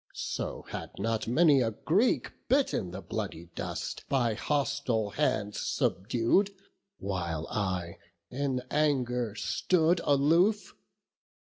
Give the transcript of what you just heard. so had not many a Greek Bitten the bloody dust, by hostile hands Subdued, while I in anger stood aloof.